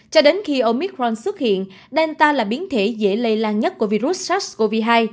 cho đến khi omicron xuất hiện delta là biến thể dễ lây lan nhất của virus sars cov hai